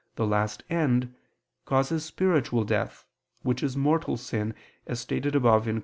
the last end, causes spiritual death, which is mortal sin, as stated above (Q.